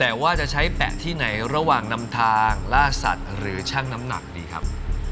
แต่ว่าจะใช้แปะที่ไหนระหว่างนำทางล่าสัตว์หรือช่างน้ำหนักดีครับ